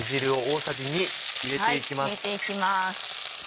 入れていきます。